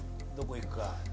どこ行くか。